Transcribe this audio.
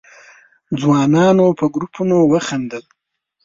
ځوانانو په گروپونو خندل.